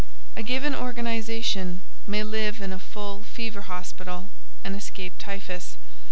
A given organization may live in a full fever hospital, and escape typhus.